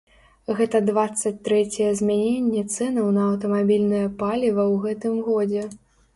Гэта дваццаць трэцяе змяненне цэнаў на аўтамабільнае паліва ў гэтым годзе.